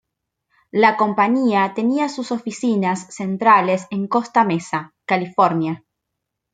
La compañía tenía sus oficinas centrales en Costa Mesa, California.